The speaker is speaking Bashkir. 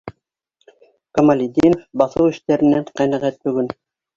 Камалетдинов баҫыу эштәренән ҡәнәғәт бөгөн.